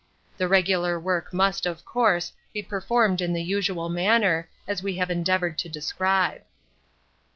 The regular work must, of course, be performed in the usual manner, as we have endeavoured to describe.